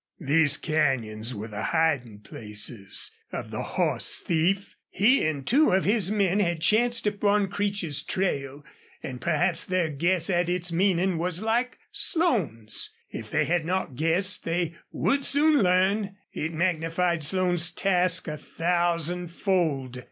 These canyons were the hiding places of the horse thief. He and two of his men had chanced upon Creech's trail; and perhaps their guess at its meaning was like Slone's. If they had not guessed they would soon learn. It magnified Slone's task a thousandfold.